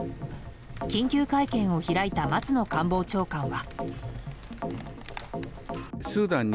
緊急会見を開いた松野官房長官は。